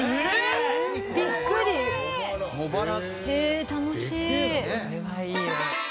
へえ楽しい。